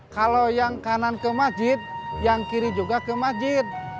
kalau yang kanan ke masjid yang kiri juga ke masjid